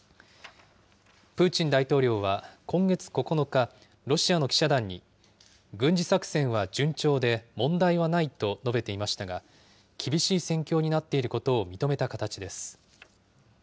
プーチン大統領は今月９日、ロシアの記者団に、軍事作戦は順調で、問題はないと述べていましたが、厳しい戦況になっていることを認めた形です。